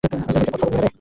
আজেবাজে কথা বলবি না!